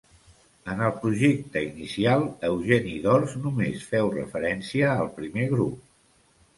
En el projecte inicial, Eugeni d'Ors només feu referència al primer grup.